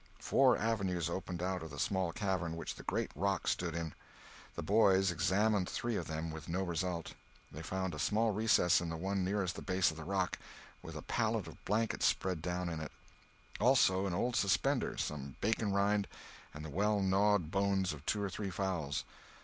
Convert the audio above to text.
Four avenues opened out of the small cavern which the great rock stood in. The boys examined three of them with no result. They found a small recess in the one nearest the base of the rock, with a pallet of blankets spread down in it; also an old suspender, some bacon rind, and the well gnawed bones of two or three fowls.